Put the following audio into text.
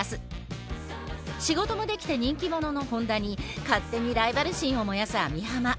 仕事もできて人気者の本田に勝手にライバル心を燃やす網浜。